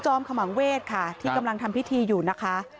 ขมังเวศค่ะที่กำลังทำพิธีอยู่นะคะ